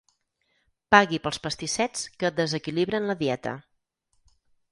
Pagui pels pastissets que et desequilibren la dieta.